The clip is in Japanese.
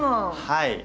はい。